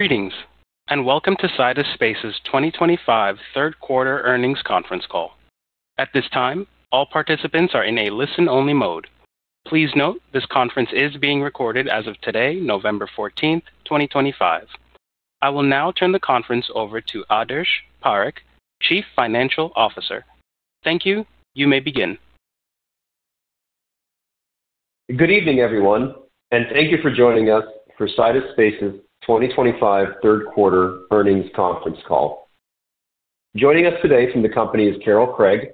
Greetings, and welcome to Sidus Space's 2025 third-quarter earnings conference call. At this time, all participants are in a listen-only mode. Please note this conference is being recorded as of today, November 14, 2025. I will now turn the conference over to Adarsh Parekh, Chief Financial Officer. Thank you, you may begin. Good evening, everyone, and thank you for joining us for Sidus Space's 2025 third-quarter earnings conference call. Joining us today from the company is Carol Craig,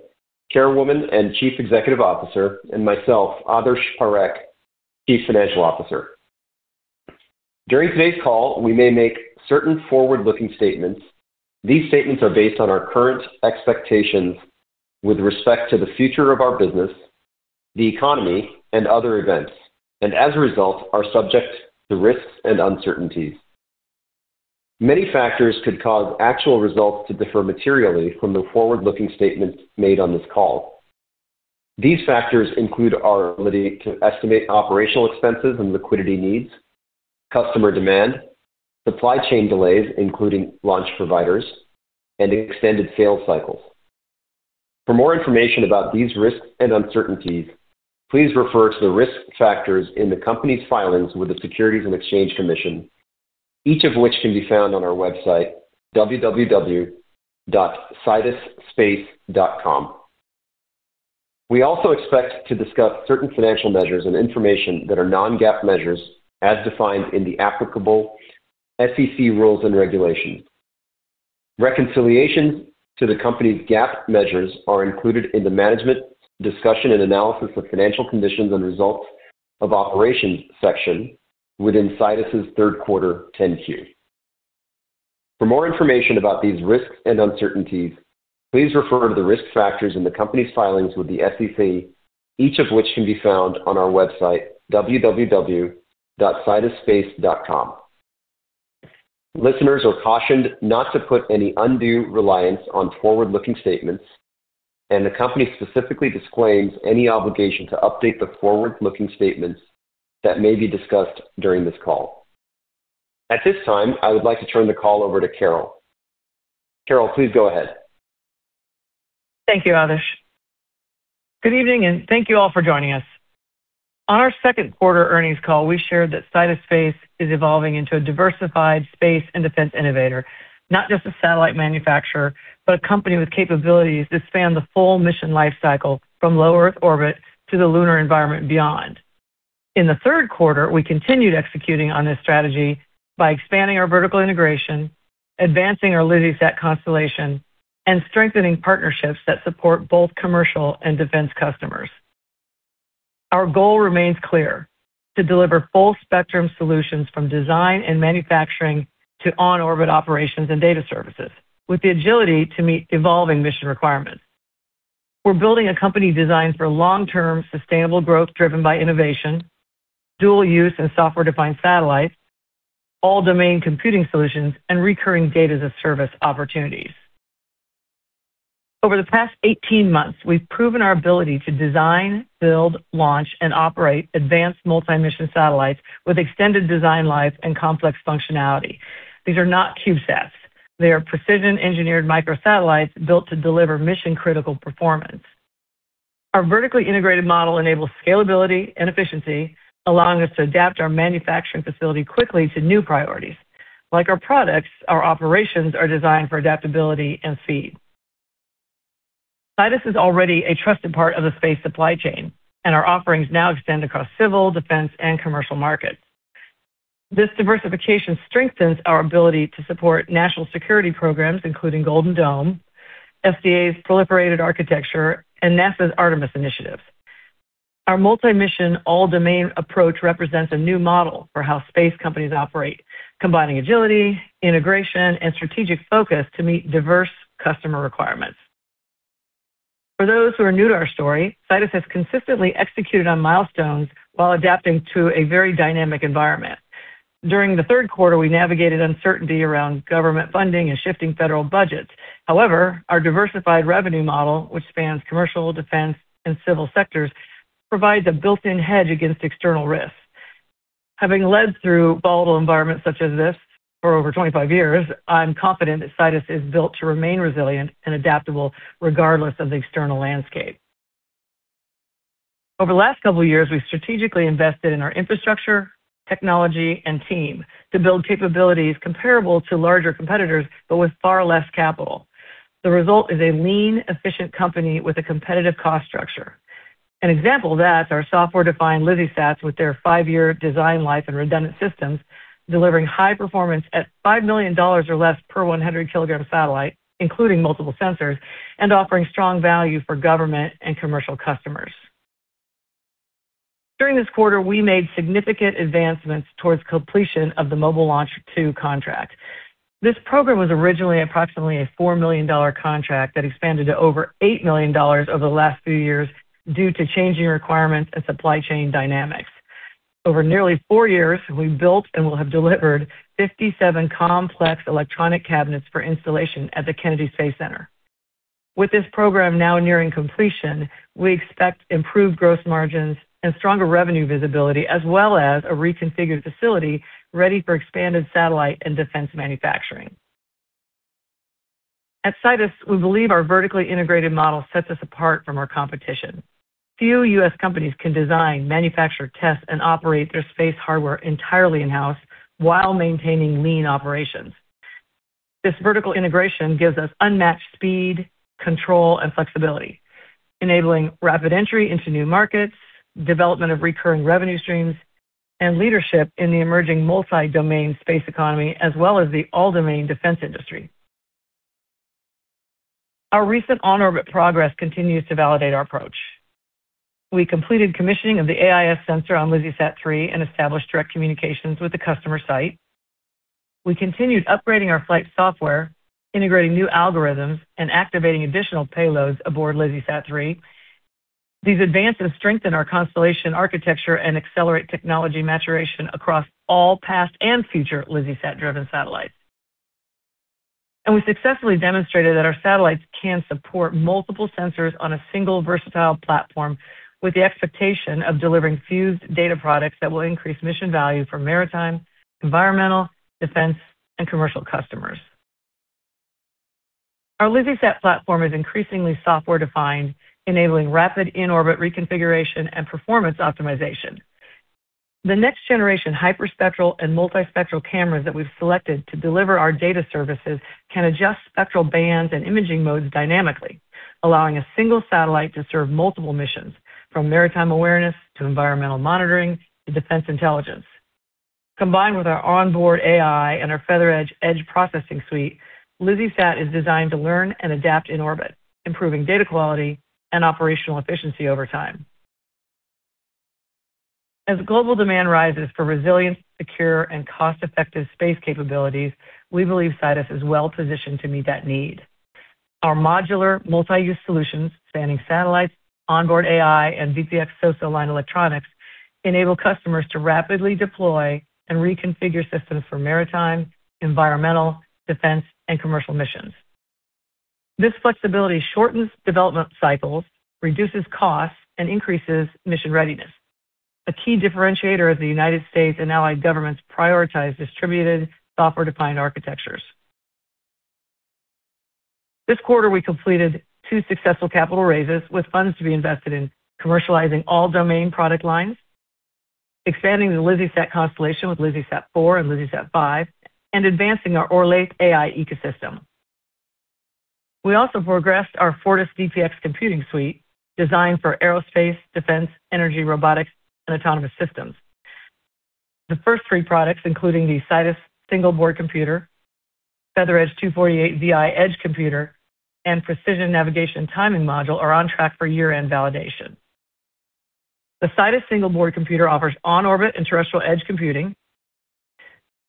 Chairwoman and Chief Executive Officer, and myself, Adarsh Parekh, Chief Financial Officer. During today's call, we may make certain forward-looking statements. These statements are based on our current expectations with respect to the future of our business, the economy, and other events, and as a result, are subject to risks and uncertainties. Many factors could cause actual results to differ materially from the forward-looking statements made on this call. These factors include our ability to estimate operational expenses and liquidity needs, customer demand, supply chain delays, including launch providers, and extended sales cycles. For more information about these risks and uncertainties, please refer to the risk factors in the Company's filings with the Securities and Exchange Commission, each of which can be found on our website, www.sidusspace.com. We also expect to discuss certain financial measures and information that are non-GAAP measures, as defined in the applicable SEC rules and regulations. Reconciliations to the Company's GAAP measures are included in the Management Discussion and Analysis of Financial Conditions and Results of Operations section within Sidus's third-quarter 10-Q. For more information about these risks and uncertainties, please refer to the risk factors in the Company's filings with the SEC, each of which can be found on our website, www.sidusspace.com. Listeners are cautioned not to put any undue reliance on forward-looking statements, and the company specifically disclaims any obligation to update the forward-looking statements that may be discussed during this call. At this time, I would like to turn the call over to Carol. Carol, please go ahead. Thank you, Adarsh. Good evening, and thank you all for joining us. On our second-quarter earnings call, we shared that Sidus Space is evolving into a diversified space and defense innovator, not just a satellite manufacturer, but a Company with capabilities to span the full mission life cycle from Low Earth Orbit to the lunar environment beyond. In the third quarter, we continued executing on this strategy by expanding our vertical integration, advancing our LizzieSat constellation, and strengthening partnerships that support both commercial and defense customers. Our goal remains clear: to deliver full-spectrum solutions from design and manufacturing to on-orbit operations and data services, with the agility to meet evolving mission requirements. We're building a Company designed for long-term sustainable growth driven by innovation, dual-use and software-defined satellites, all-domain computing solutions, and recurring data as a service opportunities. Over the past 18 months, we've proven our ability to design, build, launch, and operate advanced multi-mission satellites with extended design life and complex functionality. These are not CubeSats. They are precision-engineered microsatellites built to deliver mission-critical performance. Our vertically integrated model enables scalability and efficiency, allowing us to adapt our manufacturing facility quickly to new priorities. Like our products, our operations are designed for adaptability and speed. Sidus is already a trusted part of the space supply chain, and our offerings now extend across civil, defense, and commercial markets. This diversification strengthens our ability to support national security programs, including Golden Dome, SDA's Proliferated Architecture, and NASA's Artemis initiatives. Our multi-mission, all-domain approach represents a new model for how space companies operate, combining agility, integration, and strategic focus to meet diverse customer requirements. For those who are new to our story, Sidus has consistently executed on milestones while adapting to a very dynamic environment. During the third quarter, we navigated uncertainty around government funding and shifting federal budgets. However, our diversified revenue model, which spans commercial, defense, and civil sectors, provides a built-in hedge against external risks. Having led through volatile environments such as this for over 25 years, I'm confident that Sidus is built to remain resilient and adaptable regardless of the external landscape. Over the last couple of years, we've strategically invested in our infrastructure, technology, and team to build capabilities comparable to larger competitors, but with far less capital. The result is a lean, efficient company with a competitive cost structure. An example of that is our software-defined LizzieSats with their five-year design life and redundant systems, delivering high performance at $5 million or less per 100 kg satellite, including multiple sensors, and offering strong value for government and commercial customers. During this quarter, we made significant advancements towards completion of the Mobile Launcher 2 contract. This program was originally approximately a $4 million contract that expanded to over $8 million over the last few years due to changing requirements and supply chain dynamics. Over nearly four years, we built and will have delivered 57 complex electronic cabinets for installation at the Kennedy Space Center. With this program now nearing completion, we expect improved gross margins and stronger revenue visibility, as well as a reconfigured facility ready for expanded satellite and defense manufacturing. At Sidus, we believe our vertically integrated model sets us apart from our competition. Few U.S. companies can design, manufacture, test, and operate their space hardware entirely in-house while maintaining lean operations. This vertical integration gives us unmatched speed, control, and flexibility, enabling rapid entry into new markets, development of recurring revenue streams, and leadership in the emerging multi-domain space economy, as well as the all-domain defense industry. Our recent on-orbit progress continues to validate our approach. We completed commissioning of the AIS sensor on LizzieSat 3 and established direct communications with the customer site. We continued upgrading our flight software, integrating new algorithms, and activating additional payloads aboard LizzieSat 3. These advances strengthen our constellation architecture and accelerate technology maturation across all past and future LizzieSat-driven satellites. We successfully demonstrated that our satellites can support multiple sensors on a single versatile platform, with the expectation of delivering fused data products that will increase mission value for maritime, environmental, defense, and commercial customers. Our LizzieSat platform is increasingly software-defined, enabling rapid in-orbit reconfiguration and performance optimization. The next-generation hyperspectral and multispectral cameras that we've selected to deliver our data services can adjust spectral bands and imaging modes dynamically, allowing a single satellite to serve multiple missions, from maritime awareness to environmental monitoring to defense intelligence. Combined with our onboard AI and our FeatherEdge edge processing suite, LizzieSat is designed to learn and adapt in orbit, improving data quality and operational efficiency over time. As global demand rises for resilient, secure, and cost-effective space capabilities, we believe Sidus is well-positioned to meet that need. Our modular multi-use solutions, spanning satellites, onboard AI, and VPX SOSA-aligned electronics, enable customers to rapidly deploy and reconfigure systems for maritime, environmental, defense, and commercial missions. This flexibility shortens development cycles, reduces costs, and increases mission readiness. A key differentiator is the United States and allied governments prioritize distributed software-defined architectures. This quarter, we completed two successful capital raises with funds to be invested in commercializing all-domain product lines, expanding the LizzieSat constellation with LizzieSat 4 and LizzieSat 5, and advancing our Orla AI ecosystem. We also progressed our Fortis VPX computing suite, designed for aerospace, defense, energy, robotics, and autonomous systems. The first three products, including the Sidus Single-Board Computer, FeatherEdge 248Vi edge computer, and Precision Navigation Timing module, are on track for year-end validation. The Sidus Single-Board Computer offers on-orbit and terrestrial edge computing.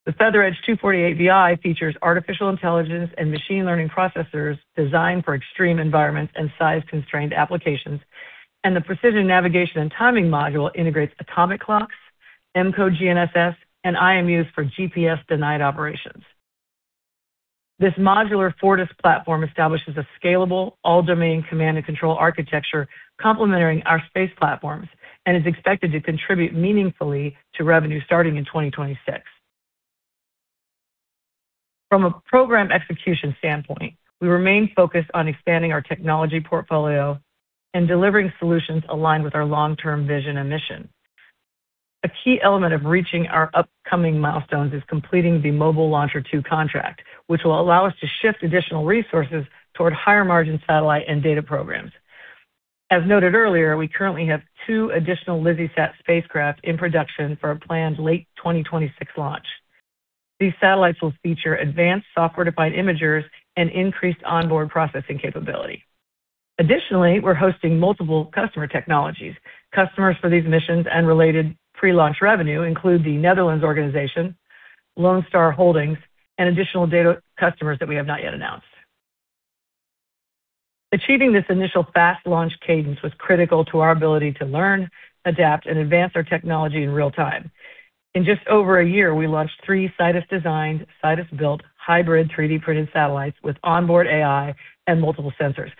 The FeatherEdge 248Vi features artificial intelligence and machine learning processors designed for extreme environments and size-constrained applications, and the Precision Navigation and Timing module integrates atomic clocks, M-Code GNSS, and IMUs for GPS-denied operations. This modular Fortis platform establishes a scalable all-domain command and control architecture complementing our space platforms and is expected to contribute meaningfully to revenue starting in 2026. From a program execution standpoint, we remain focused on expanding our technology portfolio and delivering solutions aligned with our long-term vision and mission. A key element of reaching our upcoming milestones is completing the Mobile Launcher 2 contract, which will allow us to shift additional resources toward higher-margin satellite and data programs. As noted earlier, we currently have two additional LizzieSat spacecraft in production for a planned late 2026 launch. These satellites will feature advanced software-defined imagers and increased onboard processing capability. Additionally, we're hosting multiple customer technologies. Customers for these missions and related pre-launch revenue include the Netherlands Organization, Lone Star Holdings, and additional data customers that we have not yet announced. Achieving this initial fast launch cadence was critical to our ability to learn, adapt, and advance our technology in real time. In just over a year, we launched three Sidus-designed, Sidus-built hybrid 3D-printed satellites with onboard AI and multiple sensors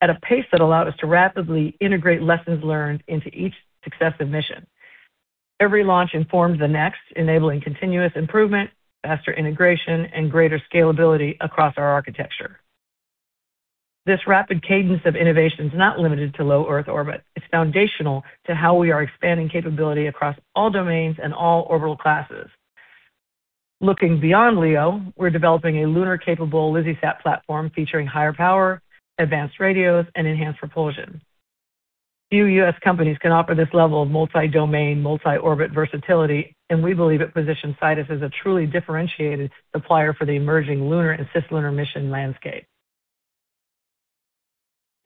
at a pace that allowed us to rapidly integrate lessons learned into each successive mission. Every launch informed the next, enabling continuous improvement, faster integration, and greater scalability across our architecture. This rapid cadence of innovation is not limited to Low Earth Orbit. It is foundational to how we are expanding capability across all domains and all orbital classes. Looking beyond LEO, we are developing a lunar-capable LizzieSat platform featuring higher power, advanced radios, and enhanced propulsion. Few U.S. companies can offer this level of multi-domain, multi-orbit versatility, and we believe it positions Sidus as a truly differentiated supplier for the emerging lunar and cislunar mission landscape.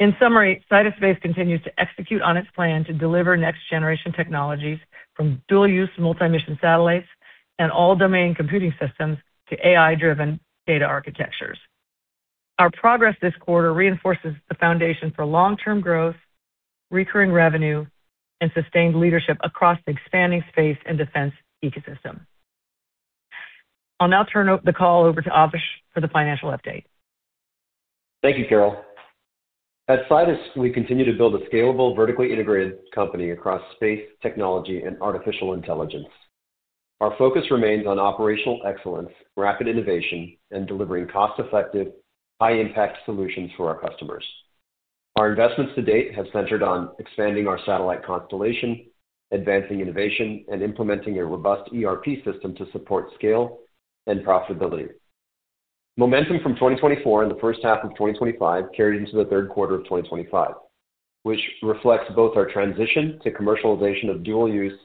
In summary, Sidus Space continues to execute on its plan to deliver next-generation technologies from dual-use multi-mission satellites and all-domain computing systems to AI-driven data architectures. Our progress this quarter reinforces the foundation for long-term growth, recurring revenue, and sustained leadership across the expanding space and defense ecosystem. I'll now turn the call over to Adarsh for the financial update. Thank you, Carol. At Sidus, we continue to build a scalable, vertically integrated Company across space, technology, and Artificial Intelligence. Our focus remains on operational excellence, rapid innovation, and delivering cost-effective, high-impact solutions for our customers. Our investments to date have centered on expanding our satellite constellation, advancing innovation, and implementing a robust ERP system to support scale and profitability. Momentum from 2024 and the first half of 2025 carried into the third quarter of 2025, which reflects both our transition to commercialization of dual-use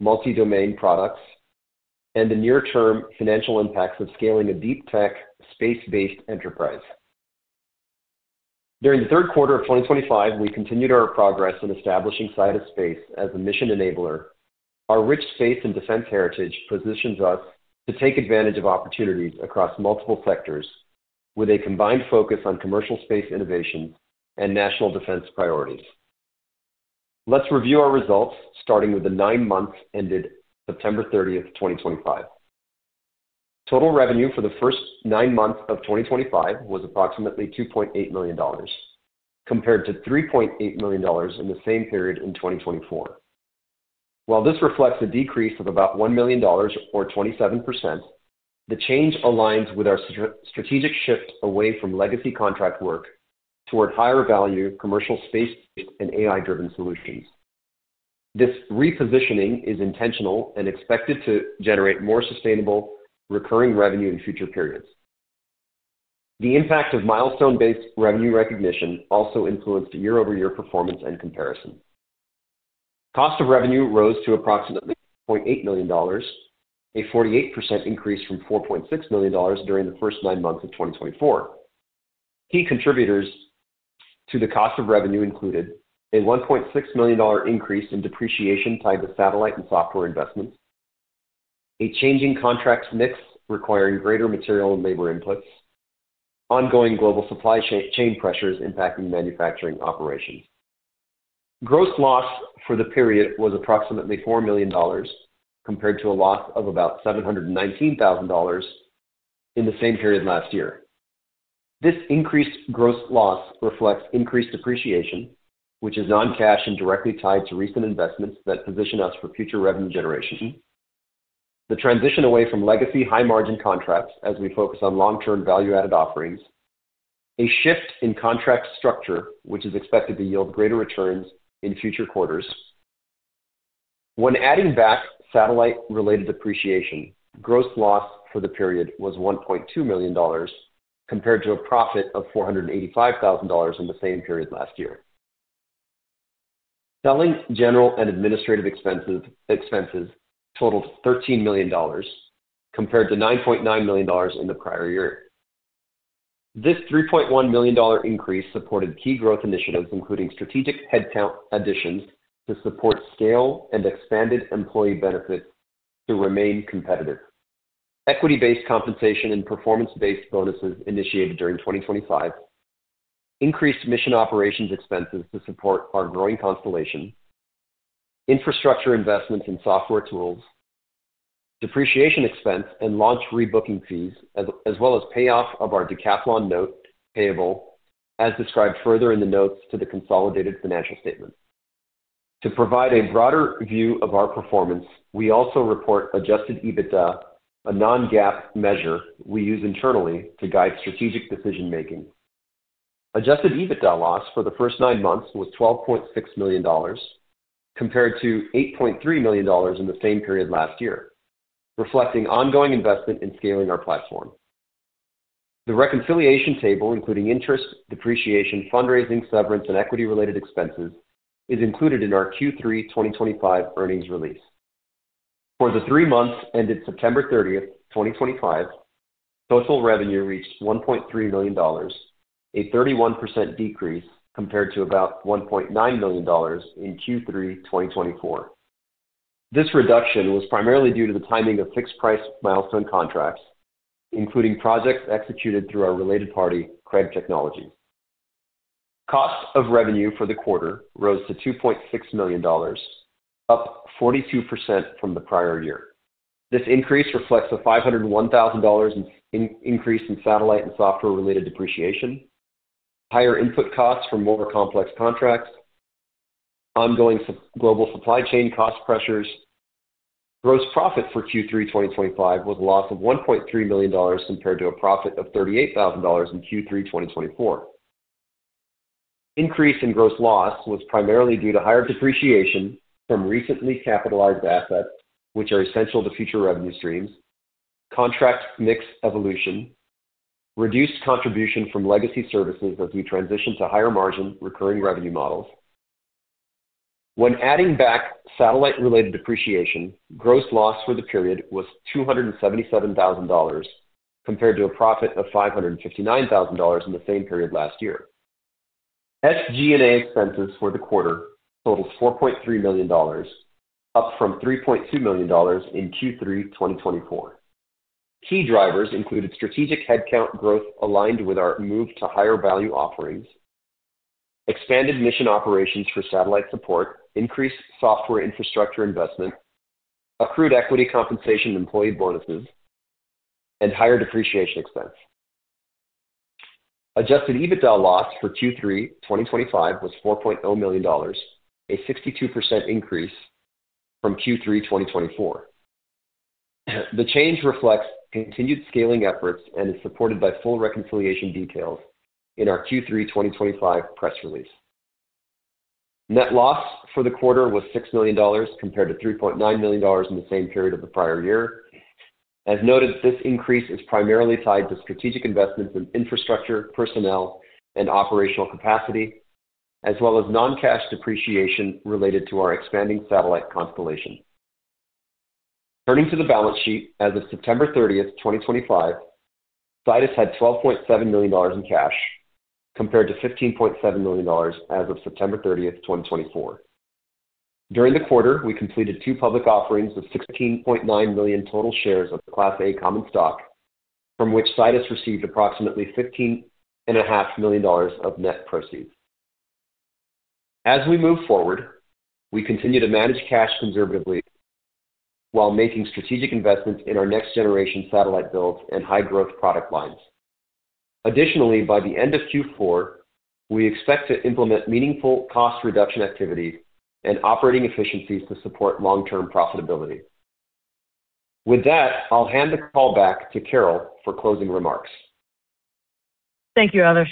multi-domain products and the near-term financial impacts of scaling a deep-tech space-based enterprise. During the third quarter of 2025, we continued our progress in establishing Sidus Space as a mission enabler. Our rich space and defense heritage positions us to take advantage of opportunities across multiple sectors, with a combined focus on commercial space innovations and national defense priorities. Let's review our results, starting with the nine months ended September 30th, 2025. Total revenue for the first nine months of 2025 was approximately $2.8 million, compared to $3.8 million in the same period in 2024. While this reflects a decrease of about $1 million, or 27%, the change aligns with our strategic shift away from legacy contract work toward higher-value commercial space-based and AI-driven solutions. This repositioning is intentional and expected to generate more sustainable recurring revenue in future periods. The impact of milestone-based revenue recognition also influenced year-over-year performance and comparison. Cost of revenue rose to approximately $2.8 million, a 48% increase from $1.9 million during the first nine months of 2024. Key contributors to the Cost of Revenue included a $1.6 million increase in depreciation tied to satellite and software investments, a changing contract mix requiring greater material and labor inputs, and ongoing global supply chain pressures impacting manufacturing operations. Gross loss for the period was approximately $4 million, compared to a loss of about $719,000 in the same period last year. This increased gross loss reflects increased depreciation, which is non-cash and directly tied to recent investments that position us for future revenue generation, the transition away from legacy high-margin contracts as we focus on long-term value-added offerings, and a shift in contract structure, which is expected to yield greater returns in future quarters. When adding back satellite-related depreciation, gross loss for the period was $1.2 million, compared to a profit of $485,000 in the same period last year. Selling, General and Administrative expenses totaled $13 million, compared to $9.9 million in the prior year. This $3.1 million increase supported key growth initiatives, including strategic headcount additions to support scale and expanded employee benefits to remain competitive, equity-based compensation and performance-based bonuses initiated during 2025, increased mission operations expenses to support our growing constellation, infrastructure investments in software tools, depreciation expense and launch rebooking fees, as well as payoff of our Decathlon note payable, as described further in the notes to the consolidated financial statement. To provide a broader view of our performance, we also report Adjusted EBITDA, a non-GAAP measure we use internally to guide strategic decision-making. Adjusted EBITDA loss for the first nine months was $12.6 million, compared to $8.3 million in the same period last year, reflecting ongoing investment in scaling our platform. The reconciliation table, including interest, depreciation, fundraising, severance, and equity-related expenses, is included in our Q3 2025 earnings release. For the three months ended September 30th, 2025, total revenue reached $1.3 million, a 31% decrease compared to about $1.9 million in Q3 2024. This reduction was primarily due to the timing of fixed-price milestone contracts, including projects executed through our related party, Craig Technologies. Cost of Revenue for the quarter rose to $2.6 million, up 42% from the prior year. This increase reflects a $501,000 increase in satellite- and software-related depreciation, higher input costs for more complex contracts, and ongoing global supply chain cost pressures. Gross profit for Q3 2025 was a loss of $1.3 million compared to a profit of $38,000 in Q3 2024. Increase in gross loss was primarily due to higher depreciation from recently capitalized assets, which are essential to future revenue streams, contract mix evolution, and reduced contribution from legacy services as we transition to higher-margin recurring revenue models. When adding back satellite-related depreciation, gross loss for the period was $277,000 compared to a profit of $559,000 in the same period last year. SG&A expenses for the quarter totaled $4.3 million, up from $3.2 million in Q3 2024. Key drivers included strategic headcount growth aligned with our move to higher-value offerings, expanded mission operations for satellite support, increased software infrastructure investment, accrued equity compensation and employee bonuses, and higher depreciation expense. Adjusted EBITDA loss for Q3 2025 was $4.0 million, a 62% increase from Q3 2024. The change reflects continued scaling efforts and is supported by full reconciliation details in our Q3 2025 press release. Net loss for the quarter was $6 million compared to $3.9 million in the same period of the prior year. As noted, this increase is primarily tied to strategic investments in infrastructure, personnel, and operational capacity, as well as non-cash depreciation related to our expanding satellite constellation. Turning to the balance sheet, as of September 30th, 2025, Sidus had $12.7 million in cash compared to $15.7 million as of September 30th, 2024. During the quarter, we completed two public offerings of 16.9 million total shares of Class A common stock, from which Sidus received approximately $15.5 million of net proceeds. As we move forward, we continue to manage cash conservatively while making strategic investments in our next-generation satellite builds and high-growth product lines. Additionally, by the end of Q4, we expect to implement meaningful cost reduction activities and operating efficiencies to support long-term profitability. With that, I'll hand the call back to Carol for closing remarks. Thank you, Adarsh.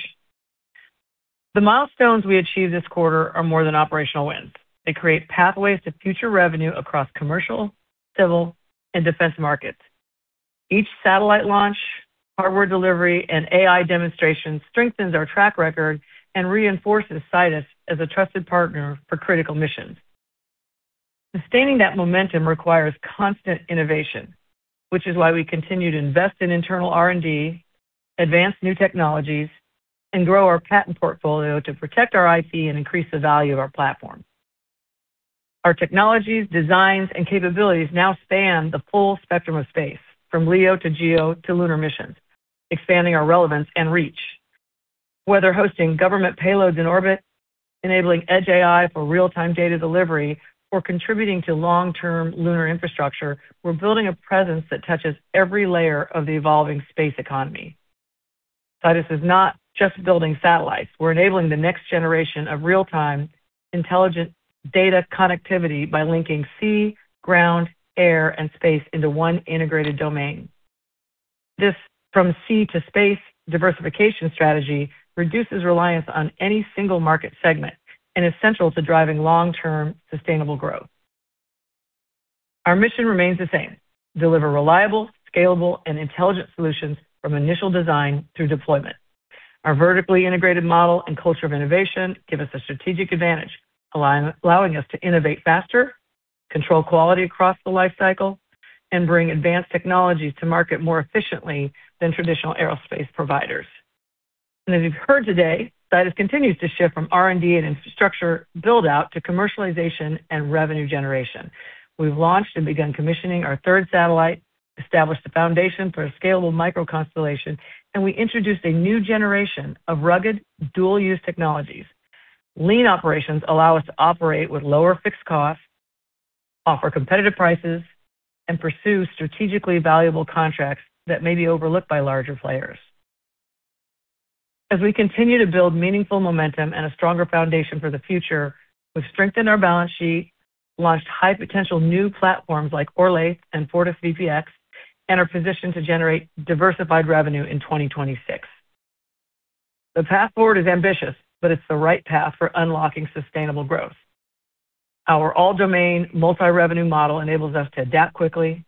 The milestones we achieved this quarter are more than operational wins. They create pathways to future revenue across commercial, civil, and defense markets. Each satellite launch, hardware delivery, and AI demonstration strengthens our track record and reinforces Sidus as a trusted partner for critical missions. Sustaining that momentum requires constant innovation, which is why we continue to invest in internal R&D, advance new technologies, and grow our patent portfolio to protect our IP and increase the value of our platform. Our technologies, designs, and capabilities now span the full spectrum of space, from LEO to GEO to lunar missions, expanding our relevance and reach. Whether hosting government payloads in orbit, enabling edge AI for real-time data delivery, or contributing to long-term lunar infrastructure, we're building a presence that touches every layer of the evolving space economy. Sidus is not just building satellites. We're enabling the next generation of real-time intelligent data connectivity by linking sea, ground, air, and space into one integrated domain. This from-sea-to-space diversification strategy reduces reliance on any single market segment and is central to driving long-term sustainable growth. Our mission remains the same: deliver reliable, scalable, and intelligent solutions from initial design through deployment. Our vertically integrated model and culture of innovation give us a strategic advantage, allowing us to innovate faster, control quality across the lifecycle, and bring advanced technologies to market more efficiently than traditional aerospace providers. As you've heard today, Sidus continues to shift from R&D and infrastructure build-out to commercialization and revenue generation. We've launched and begun commissioning our third satellite, established the foundation for a scalable microconstellation, and we introduced a new generation of rugged dual-use technologies. Lean operations allow us to operate with lower fixed costs, offer competitive prices, and pursue strategically valuable contracts that may be overlooked by larger players. As we continue to build meaningful momentum and a stronger foundation for the future, we've strengthened our balance sheet, launched high-potential new platforms like Orlaith and Fortis VPX, and are positioned to generate diversified revenue in 2026. The path forward is ambitious, but it's the right path for unlocking sustainable growth. Our all-domain multi-revenue model enables us to adapt quickly,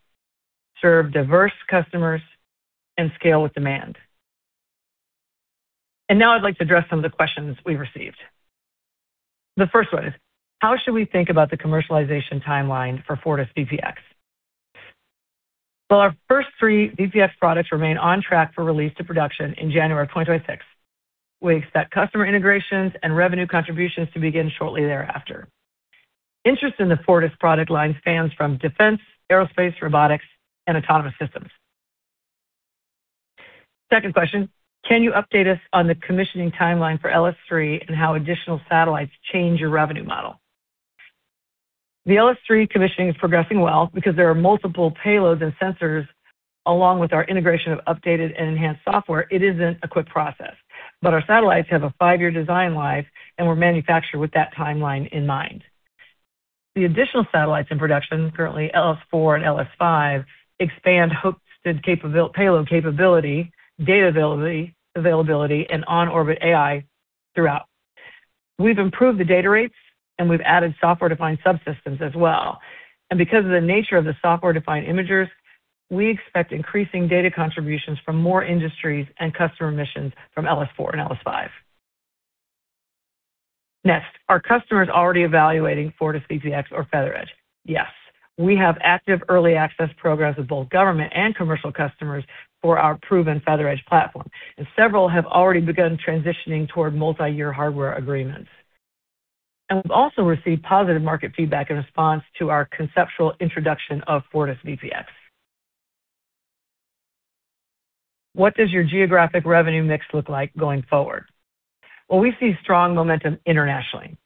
serve diverse customers, and scale with demand. Now I'd like to address some of the questions we've received. The first one is, how should we think about the commercialization timeline for Fortis VPX? Our first three VPX products remain on track for release to production in January of 2026. We expect customer integrations and revenue contributions to begin shortly thereafter. Interest in the Fortis VPX product line spans from defense, aerospace, robotics, and autonomous systems. Second question, can you update us on the commissioning timeline for LS 3 and how additional satellites change your revenue model? The LS 3 commissioning is progressing well because there are multiple payloads and sensors. Along with our integration of updated and enhanced software, it isn't a quick process. Our satellites have a five-year design life and were manufactured with that timeline in mind. The additional satellites in production, currently LS 4 and LS 5, expand hosted payload capability, data availability, and on-orbit AI throughout. We have improved the data rates and we have added software-defined subsystems as well. Because of the nature of the software-defined imagers, we expect increasing data contributions from more industries and customer missions from LS 4 and LS 5. Next, are customers already evaluating Fortis VPX or FeatherEdge? Yes. We have active early access programs with both government and commercial customers for our proven FeatherEdge platform. Several have already begun transitioning toward multi-year hardware agreements. We have also received positive market feedback in response to our conceptual introduction of Fortis VPX. What does your geographic revenue mix look like going forward? We see strong momentum internationally,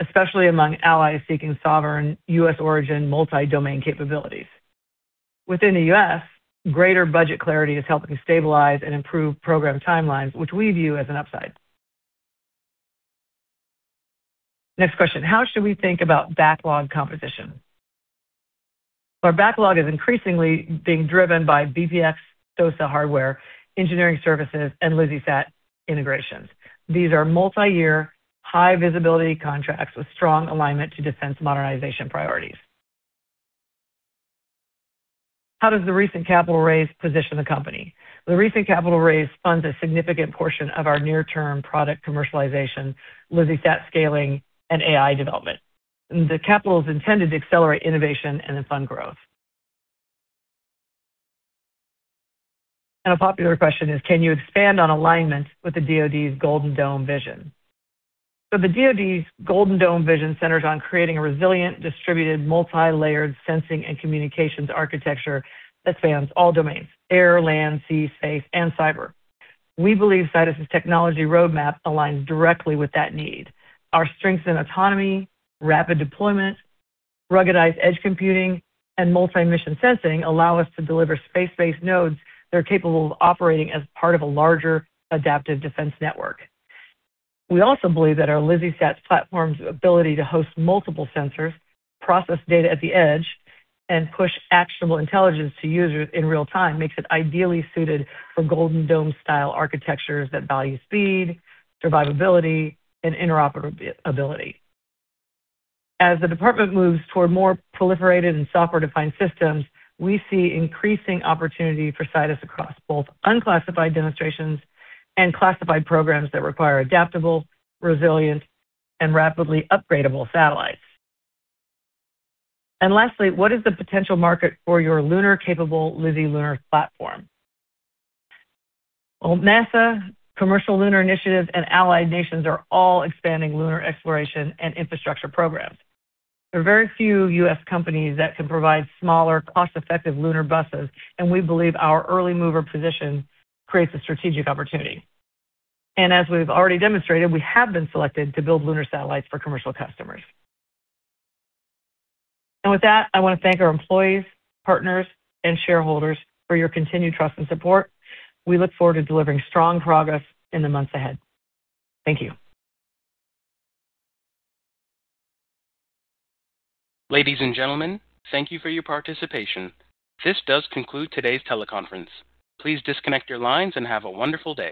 especially among allies seeking sovereign U.S. origin multi-domain capabilities. Within the U.S., greater budget clarity is helping stabilize and improve program timelines, which we view as an upside. Next question, how should we think about backlog composition? Our backlog is increasingly being driven by VPX, SOSA hardware, engineering services, and LizzieSat integrations. These are multi-year, high-visibility contracts with strong alignment to defense modernization priorities. How does the recent capital raise position the Company? The recent capital raise funds a significant portion of our near-term product commercialization, LizzieSat scaling, and AI development. The capital is intended to accelerate innovation and fund growth. A popular question is, can you expand on alignment with the DOD's Golden Dome vision? The DOD's Golden Dome vision centers on creating a resilient, distributed, multi-layered sensing and communications architecture that spans all domains: air, land, sea, space, and cyber. We believe Sidus's technology roadmap aligns directly with that need. Our strengths in autonomy, rapid deployment, ruggedized edge computing, and multi-mission sensing allow us to deliver space-based nodes that are capable of operating as part of a larger adaptive defense network. We also believe that our LizzieSat platform's ability to host multiple sensors, process data at the edge, and push actionable intelligence to users in real time makes it ideally suited for Golden Dome-style architectures that value speed, survivability, and interoperability. As the Department moves toward more proliferated and software-defined systems, we see increasing opportunity for Sidus across both unclassified demonstrations and classified programs that require adaptable, resilient, and rapidly upgradable satellites. Lastly, what is the potential market for your lunar-capable LizzieSat Lunar platform? NASA, Commercial Lunar Initiative, and allied nations are all expanding lunar exploration and infrastructure programs. There are very few U.S. companies that can provide smaller, cost-effective lunar buses, and we believe our early mover position creates a strategic opportunity. As we've already demonstrated, we have been selected to build lunar satellites for commercial customers. With that, I want to thank our employees, partners, and shareholders for your continued trust and support. We look forward to delivering strong progress in the months ahead. Thank you. Ladies and gentlemen, thank you for your participation. This does conclude today's teleconference. Please disconnect your lines and have a wonderful day.